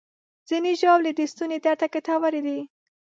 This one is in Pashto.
ځینې ژاولې د ستوني درد ته ګټورې دي.